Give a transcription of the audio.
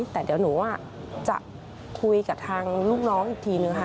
แต่เดี๋ยวหนูจะคุยกับทางลูกน้องอีกทีนึงค่ะ